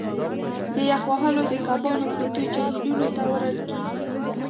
د یخ وهلو د کبانو کوټې جهیلونو ته وړل کیږي